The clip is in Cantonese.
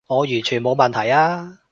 我完全冇問題啊